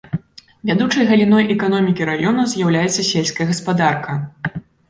Вядучай галіной эканомікі раёна з'яўляецца сельская гаспадарка.